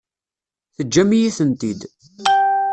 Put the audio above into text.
Teǧǧam-iyi-tent-id.